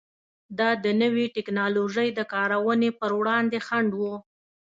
دا د نوې ټکنالوژۍ د کارونې پر وړاندې خنډ و.